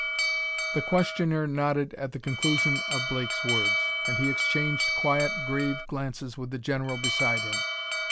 The questioner nodded at the conclusion of Blake's words, and he exchanged quiet, grave glances with the general beside him.